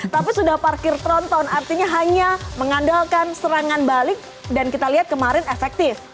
tapi sudah parkir tronton artinya hanya mengandalkan serangan balik dan kita lihat kemarin efektif